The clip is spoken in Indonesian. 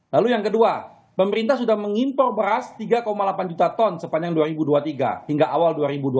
lalu yang kedua pemerintah sudah mengimpor beras tiga delapan juta ton sepanjang dua ribu dua puluh tiga hingga awal dua ribu dua puluh